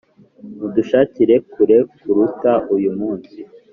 mudushakire kure kuruta uyu munsi.